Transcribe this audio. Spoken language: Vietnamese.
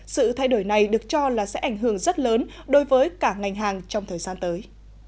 sự thay đổi này được cho là sẽ ảnh hưởng rất lớn đối với cả ngành hàng trong thời gian tới